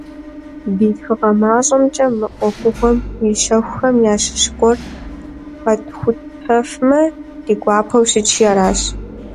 Ди тхыгъэ мащӏэмкӏэ мы ӏуэхугъуэм и щэхухэм ящыщ гуэр къэтхутэфмэ, ди гуапэу щытщи аращ.